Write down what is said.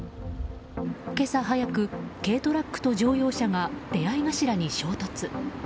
今朝早く軽トラックと乗用車が出合い頭に衝突。